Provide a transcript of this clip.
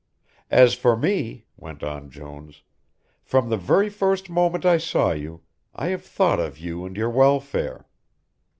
"As for me," went on Jones, "from the very first moment I saw you, I have thought of you and your welfare.